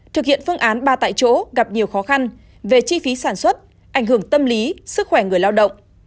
thực hiện phương án ba tại chỗ gặp nhiều khó khăn về chi phí sản xuất ảnh hưởng tâm lý sức khỏe người lao động